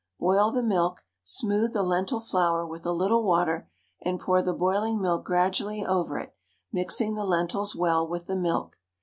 Boil the milk, smooth the lentil flour with a little water, and pour the boiling milk gradually over it, mixing the lentils well with the milk.